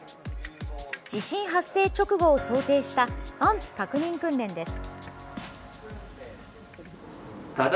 地震発生直後を想定した安否確認訓練です。